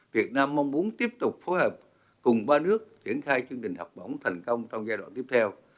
việt nam mong muốn tiếp tục phối hợp cùng ba nước triển khai chương trình học bổng thành công trong giai đoạn tiếp theo